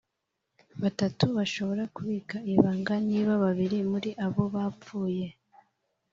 batatu barashobora kubika ibanga, niba babiri muri bo bapfuye.